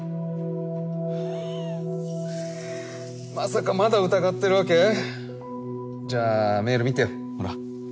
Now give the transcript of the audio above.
まさかまだ疑ってるわけ？じゃあメール見てよほら。